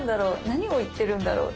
何を言ってるんだろう？